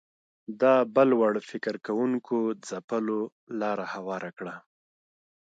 دا بل وړ فکر کوونکو ځپلو لاره هواره کړه